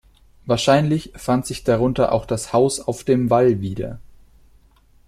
Wahrscheinlich fand sich darunter auch das "Haus auf dem Wall" wieder.